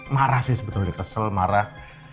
marah sih sebetulnya kesel marah